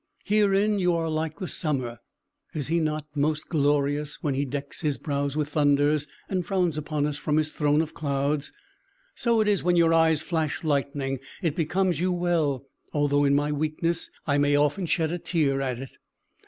Herein you are like the summer: is he not most glorious when he decks his brows with thunders, and frowns upon us from his throne of clouds? So it is when your eyes flash lightning; it becomes you well, although in my weakness I may often shed a tear at it.